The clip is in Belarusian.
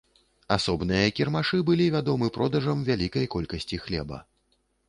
Асобныя кірмашы былі вядомы продажам вялікай колькасці хлеба.